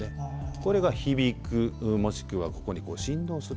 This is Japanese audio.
これが響くもしくはここに振動する。